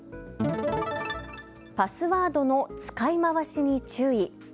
パスワードの使い回しに注意。